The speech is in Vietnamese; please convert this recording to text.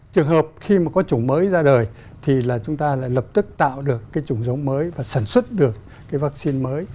trường hợp khi mà có chủng mới ra đời thì là chúng ta lại lập tức tạo được cái chủng giống mới và sản xuất được cái vaccine mới